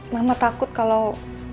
mama takut kalau